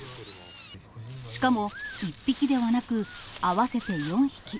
しかも、１匹ではなく合わせて４匹。